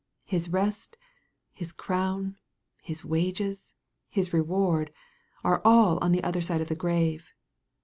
His rest, his crown, his wages, his reward, are all on the other side of the grave.